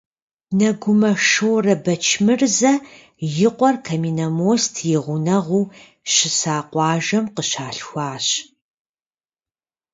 Нэгумэ Шорэ Бэчмырзэ и къуэр Каменномост и гъунэгъуу щыса къуажэм къыщалъхуащ.